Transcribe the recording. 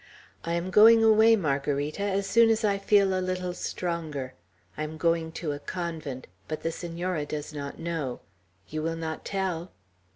"I am going away, Margarita, as soon as I feel a little stronger. I am going to a convent; but the Senora does not know. You will not tell?"